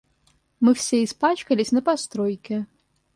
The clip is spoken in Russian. Мы все испачкались на постройке.